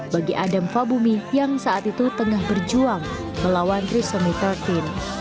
bagi adam fabumi yang saat itu tengah berjuang melawan trissomni tiga belas